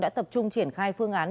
đã tập trung triển khai phương án